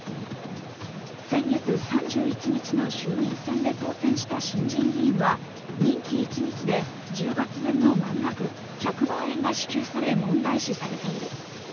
先月３１日の衆院選で当選した新人議員は任期一日で１０月分の満額１００万円が支給され問題視されている。